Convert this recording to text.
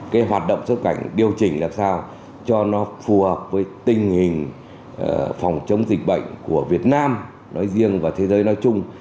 cái hoạt động xuất cảnh điều chỉnh làm sao cho nó phù hợp với tình hình phòng chống dịch bệnh của việt nam nói riêng và thế giới nói chung